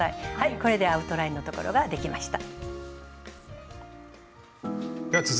これでアウトラインのところができました。